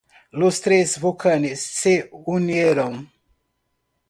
Los tres volcanes se unieron.